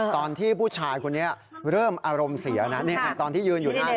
ตอนที่ผู้ชายคนนี้เริ่มอารมณ์เสียนะตอนที่ยืนอยู่หน้า